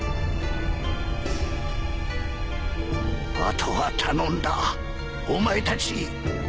後は頼んだお前たち